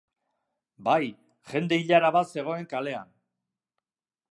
Bai, jende ilara bat zegoen kalean.